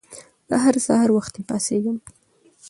زه هر سهار وخته پاڅيږم